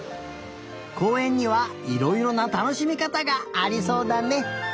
こうえんにはいろいろなたのしみかたがありそうだね。